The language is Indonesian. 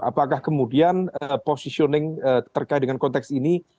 apakah kemudian positioning terkait dengan konteks ini